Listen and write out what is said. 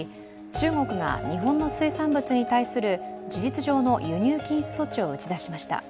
中国が日本の水産物に対する事実上の輸入禁止措置を打ち出しました。